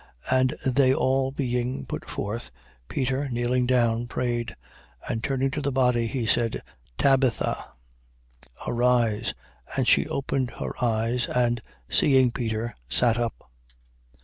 9:40. And they all being put forth, Peter, kneeling down, prayed. And turning to the body, he said: Tabitha, arise. And she opened her eyes and, seeing Peter, sat up.